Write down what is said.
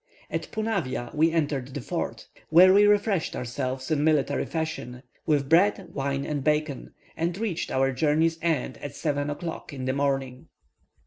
At Punavia we entered the fort, where we refreshed ourselves, in military fashion, with bread, wine, and bacon, and reached our journey's end at 7 o'clock in the morning.